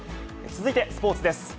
続いてスポーツです。